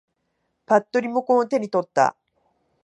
ぱっとリモコンを手に取った。